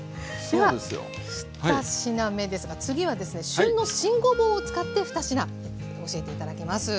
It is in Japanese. では２品目ですが次はですね旬の新ごぼうを使って２品教えて頂きます。